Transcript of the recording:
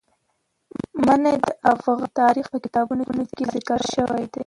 منی د افغان تاریخ په کتابونو کې ذکر شوی دي.